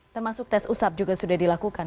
termasuk tes usap juga sudah dilakukan